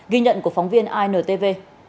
ghi nhận của phóng viên intv